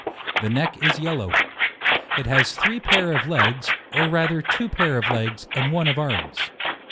The neck is yellow. It has three pair of legs, or rather two pair of legs, and one of arms.